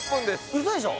ウソでしょ！？